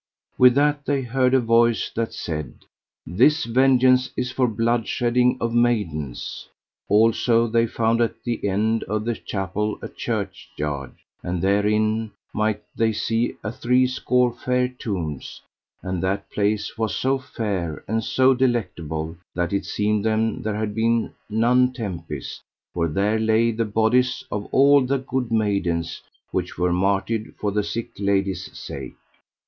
With that they heard a voice that said: This vengeance is for blood shedding of maidens. Also they found at the end of the chapel a churchyard, and therein might they see a three score fair tombs, and that place was so fair and so delectable that it seemed them there had been none tempest, for there lay the bodies of all the good maidens which were martyred for the sick lady's sake.